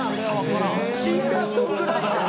シンガーソングライター！？